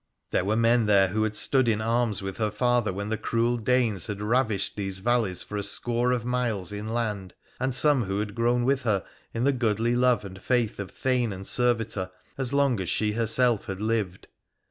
There were men there who had stood in arms with her father when the cruel Danes had ravished these valleys for a score of miles inland, and some who had grown with her in the goodly love and faith of thane and servitor as long as she herself had lived.